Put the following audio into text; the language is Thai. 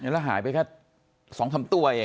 แล้วหายไปแค่สองคำตัวเอง